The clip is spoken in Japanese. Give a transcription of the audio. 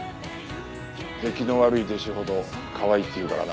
出来の悪い弟子ほどかわいいって言うからな。